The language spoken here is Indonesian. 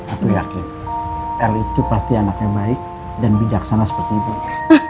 aku yakin el itu pasti anak yang baik dan bijaksana seperti ibunya